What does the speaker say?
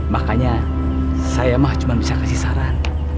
makanya saya mah cuma bisa kasih saran